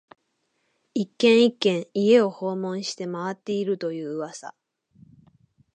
一軒、一軒、家を訪問して回っていると言う噂